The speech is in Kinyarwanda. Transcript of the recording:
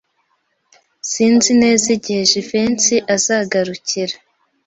Sinzi neza igihe Jivency azagarukira.